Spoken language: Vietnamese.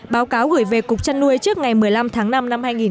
báo cáo gửi về cục chăn nuôi trước ngày một mươi năm tháng năm năm hai nghìn hai mươi